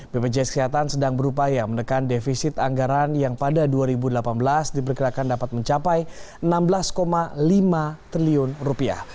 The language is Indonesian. bpjs kesehatan sedang berupaya menekan defisit anggaran yang pada dua ribu delapan belas diperkirakan dapat mencapai enam belas lima triliun rupiah